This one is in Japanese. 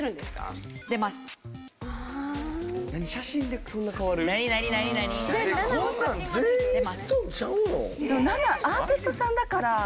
でも７アーティストさんだから。